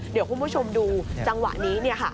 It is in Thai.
เดี๋ยวคุณผู้ชมดูจังหวะนี้